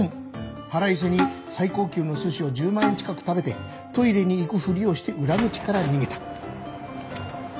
腹いせに最高級のすしを１０万円近く食べてトイレに行くふりをして裏口から逃げた。